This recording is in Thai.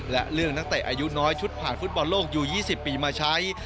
และเลือกนักเตะอายุน้อยชุดผ่านฟุตบอลโลกอยู่๒๐ปีมาใช้